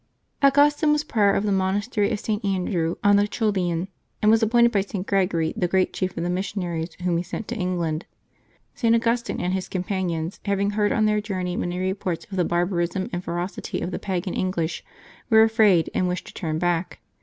aUGUSTi^^E was prior of the monastery of St. Andrew on the Coelian, and was appointed by St. Gregory the great chief of the missionaries whom he sent to England. St. Augustine and his companions, having heard on their journey many reports of the barbarism and ferocity of the pagan English, were afraid, and wished to turn back.